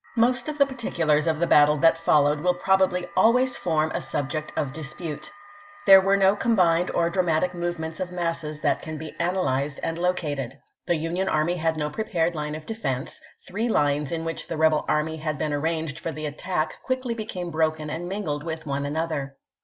Most of the particulars of the battle that followed will probably always form a subject of dispute. There were no combined or dramatic movements of masses that can be analyzed and located. The Union army had no prepared line of defense; three lines in which the rebel army had been arranged for the attack became quickly broken and mingled with one another.